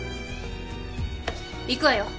行くわよ。